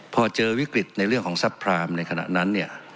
พอเจอวิกฤตในเรื่องของซัพพรามในขณะนั้นเนี่ย